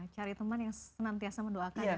cari teman yang senantiasa mendoakan